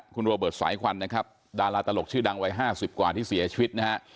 คุณโรเบิร์ตสายควันนะครับดาราตลกชื่อดังวัย๕๐กว่าที่เสียชีวิตนะฮะ